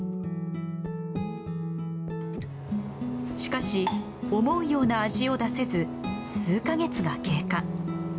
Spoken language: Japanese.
しかし思うような味を出せず数カ月が経過。